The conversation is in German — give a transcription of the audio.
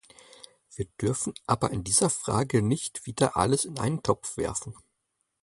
Wir dürfen aber in dieser Frage nicht wieder alles in einen Topf werfen.